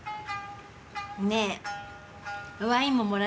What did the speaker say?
ねえワインももらっ